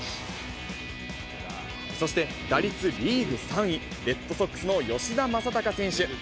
そして打率リーグ３位、レッドソックスの吉田正尚選手。